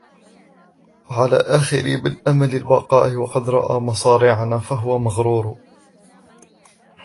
وَعَلَى آخَرَ مَنْ أَمَّلَ الْبَقَاءَ وَقَدْ رَأَى مَصَارِعَنَا فَهُوَ مَغْرُورٌ